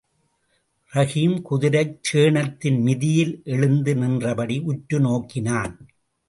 ரஹீம் குதிரைச் சேணத்தின் மிதியில் எழுந்து நின்றபடி உற்று நோக்கினான்.